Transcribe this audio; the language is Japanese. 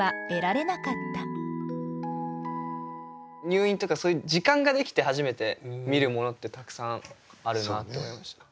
入院とかそういう時間ができて初めて見るものってたくさんあるなって思いました。